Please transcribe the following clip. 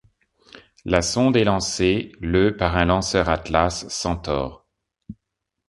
La sonde est lancée le par un lanceur Atlas - Centaur.